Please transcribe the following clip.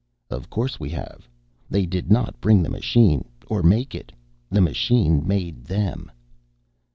"Of course we have. They did not bring the machine or make it the machine made them!"